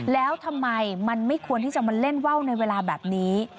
แล้วทำไมมันไม่ควรที่จะมาเล่นว่าวในเวลาแบบนี้